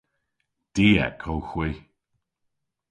Diek owgh hwi.